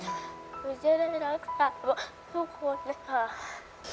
หนูจะได้รักษาทุกคนนะค่ะ